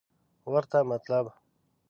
ورته مطالب